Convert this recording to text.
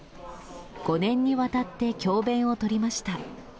５年にわたって教べんをとりました。